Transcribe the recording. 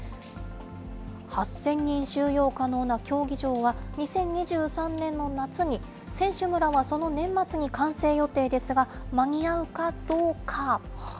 ８０００人収容可能な競技場は２０２３年の夏に、選手村はその年末に完成予定ですが、間に合うかどうか。